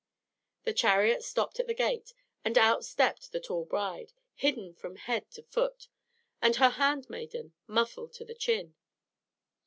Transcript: The chariot stopped at the gate, and out stepped the tall bride, hidden from head to foot, and her handmaiden muffled to the chin.